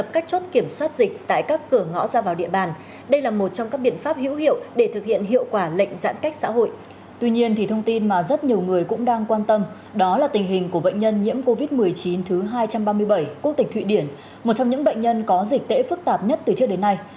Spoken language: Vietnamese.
bệnh nhân nhiễm covid một mươi chín thứ hai trăm ba mươi bảy quốc tịch thụy điển một trong những bệnh nhân có dịch tễ phức tạp nhất từ trước đến nay